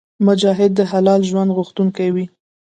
مجاهد د حلال ژوند غوښتونکی وي.